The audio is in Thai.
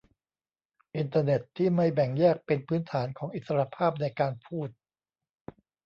อินเตอร์เน็ตที่ไม่แบ่งแยกเป็นพื้นฐานของอิสรภาพในการพูด